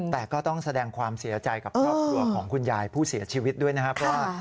แต่ก็ต้องแสดงความเสียใจกับครอบครัวของคุณยายผู้เสียชีวิตด้วยนะครับว่า